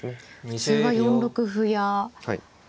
普通は４六歩や４六角。